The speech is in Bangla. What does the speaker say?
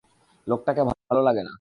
লোকটাকে ভালো লাগে না!